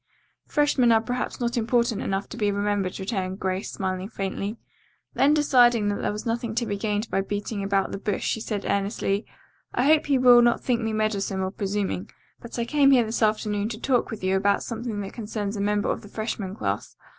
"Freshmen are perhaps not important enough to be remembered," returned Grace, smiling faintly. Then deciding that there was nothing to be gained by beating about the bush she said earnestly, "I hope you will not think me meddlesome or presuming, but I came here this afternoon to talk with you about something that concerns a member of the freshman class.